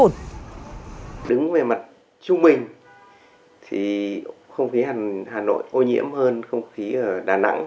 đứng về mặt trung bình thì không khí hà nội ô nhiễm hơn không khí ở đà nẵng